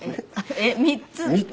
えっ３つ？